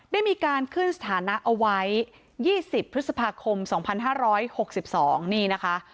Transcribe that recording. ได้มีการขึ้นสถานะเอาไว้๒๐พฤษภาคม๒๕๖๒นี่นะคะ